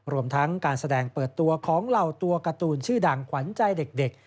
รวมทั้งการแสดงเปิดตัวของเหล่าตัวการ์ตูนชื่อดังขวัญใจเด็ก